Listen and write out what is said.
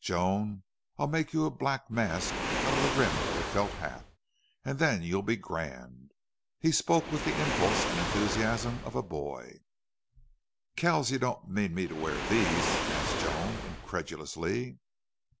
"Joan, I'll make you a black mask out of the rim of a felt hat, and then you'll be grand." He spoke with the impulse and enthusiasm of a boy. "Kells, you don't mean me to wear these?" asked Joan, incredulously.